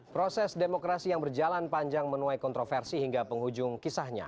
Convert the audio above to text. proses demokrasi yang berjalan panjang menuai kontroversi hingga penghujung kisahnya